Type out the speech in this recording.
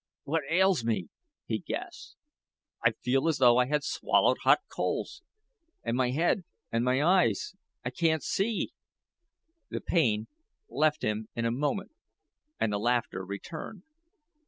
"What ails me?" he gasped; "I feel as though I had swallowed hot coals and my head and my eyes I can't see." The pain left him in a moment and the laughter returned.